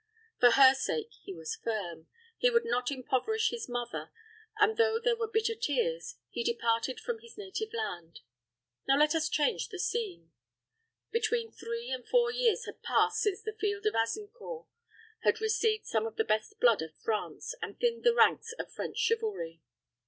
For her sake, he was firm. He would not impoverish his mother; and though there were bitter tears, he departed from his native land. Now let us change the scene. Between three and four years had passed since the field of Azincourt had received some of the best blood of France, and thinned the ranks of French chivalry.